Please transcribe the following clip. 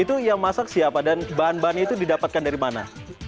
itu yang masak siapa dan bahan bahannya itu didapatkan dari mana